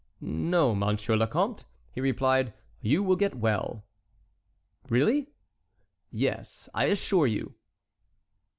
"No, Monsieur le Comte," he replied, "you will get well." "Really?" "Yes, I assure you."